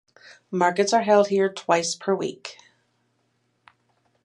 Markets are held here twice per week.